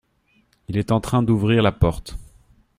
Il est en train d’ouvrir la porte…